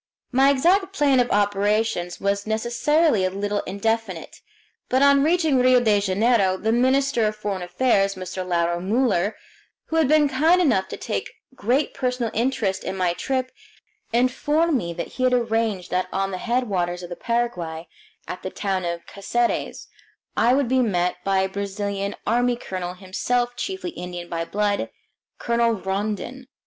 My exact plan of operations was necessarily a little indefinite, but on reaching Rio de Janeiro the minister of foreign affairs, Mr. Lauro Muller, who had been kind enough to take great personal interest in my trip, informed me that he had arranged that on the headwaters of the Paraguay, at the town of Caceres, I would be met by a Brazilian Army colonel, himself chiefly Indian by blood, Colonel Rondon.